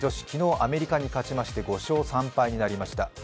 昨日、アメリカに勝ちまして５勝３敗になりました。